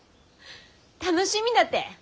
楽しみだて！